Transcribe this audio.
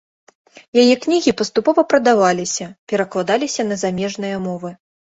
Яе кнігі паступова прадаваліся перакладаліся на замежныя мовы.